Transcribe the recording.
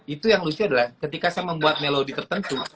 itu yang lucu adalah ketika saya membuat melodi tertentu